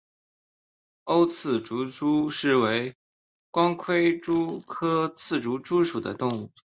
凹刺足蛛为光盔蛛科刺足蛛属的动物。